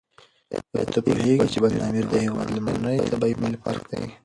ایا ته پوهېږې چې بند امیر د هېواد لومړنی طبیعي ملي پارک دی؟